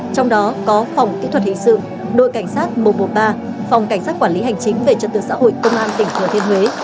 trong đó có phòng kỹ thuật hình sự đội cảnh sát một trăm một mươi ba phòng cảnh sát quản lý hành chính về trật tự xã hội công an tỉnh thừa thiên huế